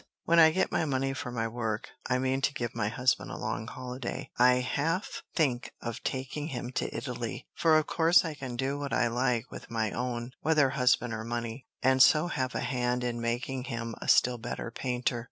When I get my money for my work, I mean to give my husband a long holiday. I half think of taking him to Italy, for of course I can do what I like with my own, whether husband or money, and so have a hand in making him a still better painter.